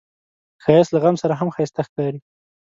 ښایست له غم سره هم ښايسته ښکاري